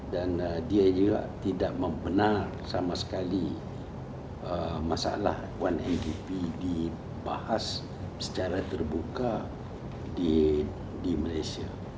dan dia juga tidak membenar sama sekali masalah satu mgp dibahas secara terbuka di malaysia